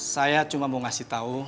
saya cuma mau ngasih tahu